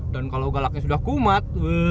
dan kalau galaknya sudah kuat